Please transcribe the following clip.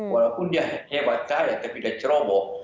walaupun dia hebat kaya tapi di cerobok